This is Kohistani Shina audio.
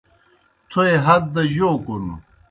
تھوئے ہت دہ جَوْ کُن؟